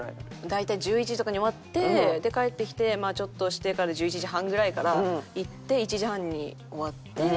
大体１１時とかに終わって帰ってきてまあちょっとしてから１１時半ぐらいから行って１時半に終わって。